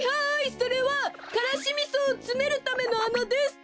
それはからしみそをつめるためのあなです！